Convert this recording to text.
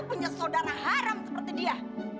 punya saudara haram seperti dia